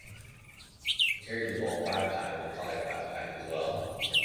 He carried the ball five times and caught it five times as well.